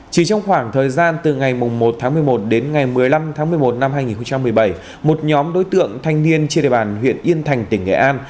chỉ trong khoảng thời gian từ ngày một tháng một mươi một đến ngày một mươi năm tháng một mươi một năm hai nghìn một mươi bảy một nhóm đối tượng thanh niên trên địa bàn huyện yên thành tỉnh nghệ an